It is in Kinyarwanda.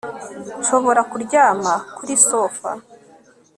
Nshobora kuryama kuri sofa